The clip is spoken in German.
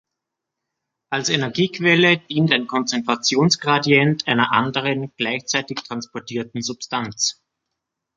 Als Energiequelle dient ein Konzentrationsgradient einer anderen, gleichzeitig transportierten Substanz.